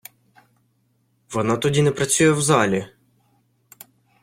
Вона тоді не працює в залі!